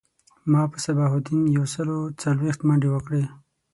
ما په صباح الدین یو سل او څلویښت منډی وکړی